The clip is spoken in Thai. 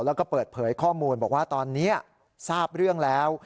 แล้วก็เปิดเผยข้อมูลบอกว่าตอนนี้ทราบเรื่องแล้ว